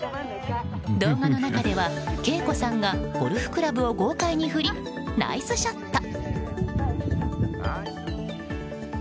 動画の中ではＫＥＩＫＯさんがゴルフクラブを豪快に振りナイスショット！